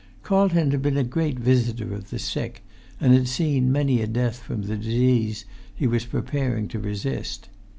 Carlton had been a great visitor of the sick, and seen many a death from the disease he was preparing to resist.